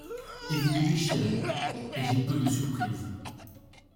Et vous me déchirez, et j'ai peu de surprise